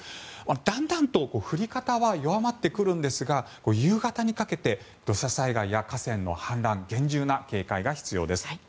だんだんと降り方は弱まってくるんですが夕方にかけて土砂災害や河川の氾濫厳重な警戒が必要です。